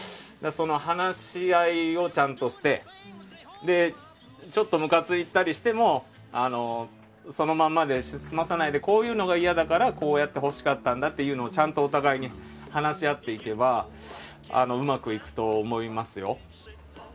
話し合いをちゃんとしてちょっとむかついたりしてもそのまんまで済まさないでこういうのが嫌だからこうやってほしかったんだっていうのをちゃんとお互いに話し合っていけばうまくいくと思いますよ。